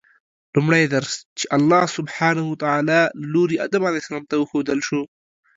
لومړی درس چې الله سبحانه وتعالی له لوري آدم علیه السلام ته وښودل شو